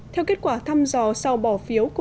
theo kết quả thăm dò sau bỏ phiếu của các nước